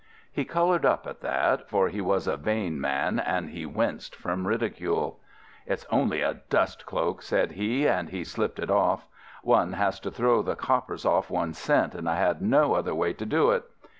He coloured up at that, for he was a vain man, and he winced from ridicule. "'It's only a dust cloak,' said he, and he slipped it off. 'One has to throw the coppers off one's scent, and I had no other way to do it.